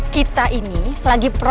kita ini lagi percaya